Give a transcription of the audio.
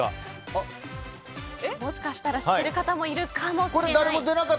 もしかしたら知ってる方がいるかもしれない。